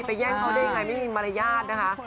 แย่งเขาได้ยังไงไม่มีมารยาทนะคะ